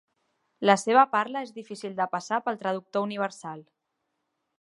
La seva parla és difícil de passar pel traductor universal.